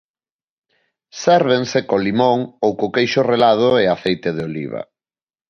Sérvense co limón ou co queixo relado e aceite de oliva.